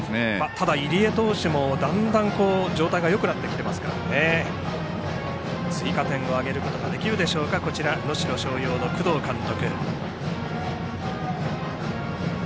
ただ、入江投手もだんだんと状態がよくなってきていますから追加点を挙げることができるか能代松陽の工藤監督。